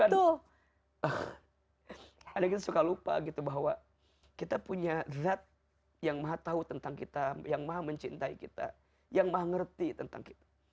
aduh ada kita suka lupa gitu bahwa kita punya zat yang maha tahu tentang kita yang maha mencintai kita yang maha ngerti tentang kita